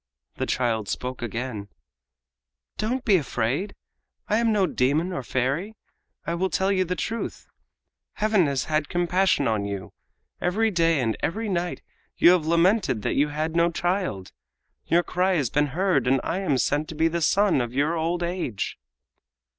The child spoke again: "Don't be afraid. I am no demon or fairy. I will tell you the truth. Heaven has had compassion on you. Every day and every night you have lamented that you had no child. Your cry has been heard and I am sent to be the son of your old age!"